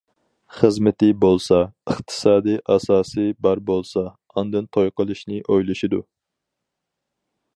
خىزمىتى بولسا، ئىقتىسادىي ئاساسى بار بولسا، ئاندىن توي قىلىشنى ئويلىشىدۇ.